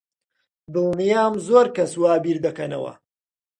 دڵنیام زۆر کەس وا بیر دەکەنەوە.